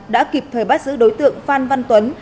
đã kịp thời bắt giữ đối tượng phan văn tuấn